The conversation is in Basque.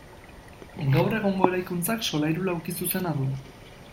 Gaur egungo eraikuntzak solairu laukizuzena du.